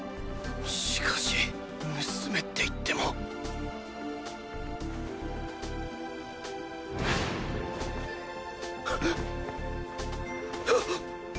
しかし盗めって言ってもあ。